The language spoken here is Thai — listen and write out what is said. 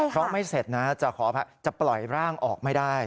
เพราะไม่เสร็จนะจะปล่อยร่างออกไม่ได้